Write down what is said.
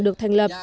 được thành lập